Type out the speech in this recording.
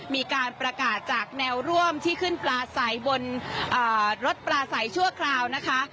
มีการประกาศจากแนวร่วมที่ขึ้นปลาใสบนรถปลาใสชั่วคราวนะคะ